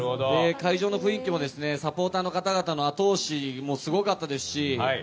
会場の雰囲気もサポーターの方々の後押しもすごかったですし。